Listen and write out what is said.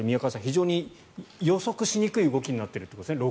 非常に予測しにくい動きになっているということですね。